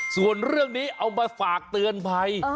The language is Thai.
ส่วนเรื่องนี้เอามาฝากเตือนภัย